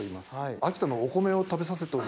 秋田のお米を食べさせておりまして。